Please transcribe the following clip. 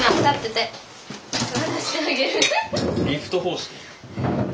リフト方式？